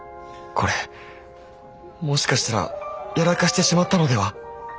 これもしかしたらやらかしてしまったのでは。